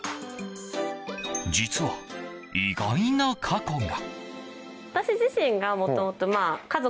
実は意外な過去が。